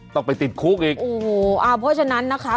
ต้องไปติดคุกอีกโอ้โหอ่าเพราะฉะนั้นนะคะ